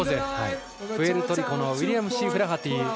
プエルトリコのウィリアムシー・フラハティ。